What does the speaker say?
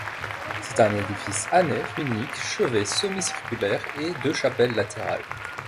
C'est un édifice à nef unique, chevet semi-circulaire, et deux chapelles latérales.